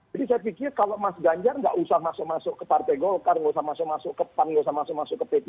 jadi saya pikir kalau mas ganjar nggak usah masuk masuk ke partai golkar nggak usah masuk masuk ke pan nggak usah masuk masuk ke p tiga